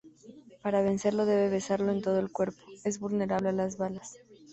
Para vencerlo debe besarlo en todo el cuerpo.Es vulnerable a las balas.